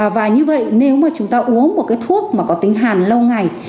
và như vậy nếu mà chúng ta uống một cái thuốc mà có tính hàn lâu ngày